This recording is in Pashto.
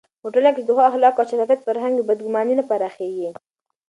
په ټولنه کې چې د ښو اخلاقو او شفافيت فرهنګ وي، بدګماني نه پراخېږي.